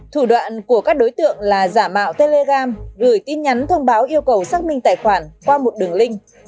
thủ đoạn của các đối tượng là giả mạo telegram gửi tin nhắn thông báo yêu cầu xác minh tài khoản qua một đường link